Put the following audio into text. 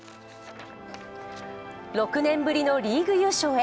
６年ぶりのリーグ優勝へ。